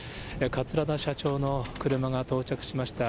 桂田社長の車が到着しました。